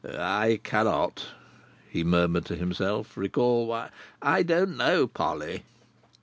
"I cannot," he murmured to himself, "recall why.—I don't know, Polly."